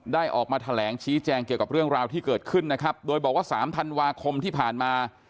ออกมาแถลงชี้แจงเกี่ยวกับเรื่องราวที่เกิดขึ้นนะครับโดยบอกว่าสามธันวาคมที่ผ่านมา